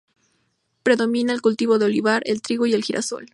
Predomina el cultivo del olivar, el trigo y el girasol.